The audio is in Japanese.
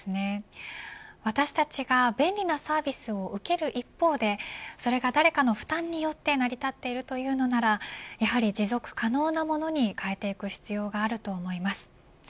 私たちが便利なサービスを受ける一方でそれが誰かの負担によって成り立っているというのならやはり持続可能なものに変えていく必要があると思います。